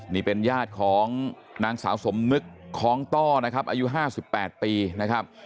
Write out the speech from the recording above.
นี่เป็นญาติของนางสาวสมนึกคล้องต้อนะครับอายุ๕๘ปีนะครับ